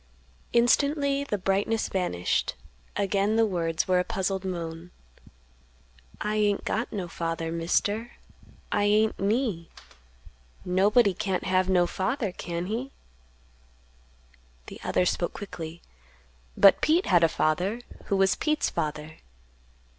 Instantly the brightness vanished; again the words were a puzzled moan; "I ain't got no father, Mister; I ain't me; nobody can't have no father, can he?" The other spoke quickly; "But Pete had a father; who was Pete's father?"